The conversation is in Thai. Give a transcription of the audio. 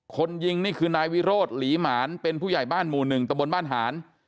คนยิงนี่คือนายวิโรธหลีหมานเป็นผู้ใหญ่บ้านหมู่๑ตะบนบ้านหาน